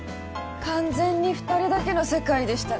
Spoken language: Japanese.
完全に２人だけの世界でしたね。